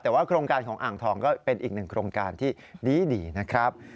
แต่ว่าโครงการของอ่างทองก็เป็นอีกหนึ่งโครงการที่ดีนะครับ